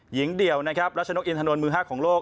หญิงเดี่ยวนะครับรัชนกอินทนนท์มือ๕ของโลก